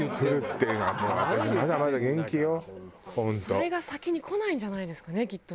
それが先にこないんじゃないですかねきっとね。